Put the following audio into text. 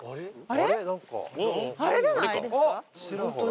あれじゃないですか？